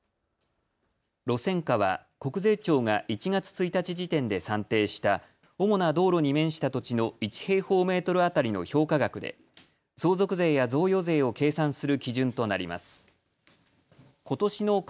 路線価は国税庁が１月１日時点で算定した主な道路に面した土地の１平方メートル当たりの評価額で相続税や贈与税を計算する基準となります。